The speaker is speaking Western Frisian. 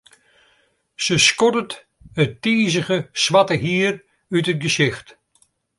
Se skoddet it tizige swarte hier út it gesicht.